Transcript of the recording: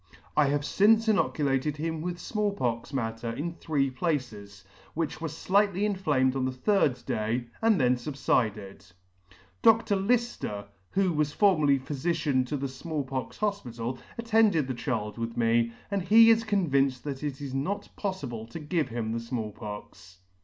" I have fince inoculated him with Small pox matter in three places, which were flightly inflamed on the third day, and then fubfided. " Dr. Lifler, who was formerly Phyfician to the Small pox Hofpital, attended the child with me, and he is convinced that it [ >29 ] it is not pbffible to give him the Small Pox.